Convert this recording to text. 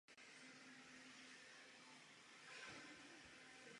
Politicky se angažoval v živnostenské straně.